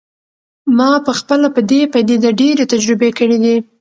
ما پخپله په دې پدیده ډیرې تجربې کړي دي